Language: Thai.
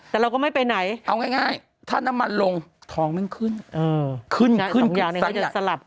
แต่เราก็ไม่ไปไหนเอาง่ายถ้าน้ำมันลงทองมันขึ้นขึ้นขึ้นสักอย่าง